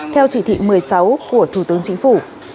theo chỉ thị một mươi sáu của thủ tướng chính phủ